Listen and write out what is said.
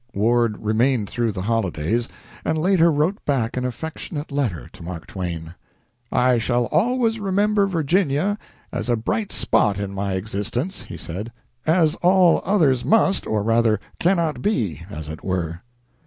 Ward remained through the holidays, and later wrote back an affectionate letter to Mark Twain. "I shall always remember Virginia as a bright spot in my existence," he said, "as all others must, or rather, cannot be, as it were."